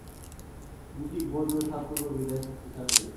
তুমি কি Gojo Satoru বিধায় শক্তিশালী?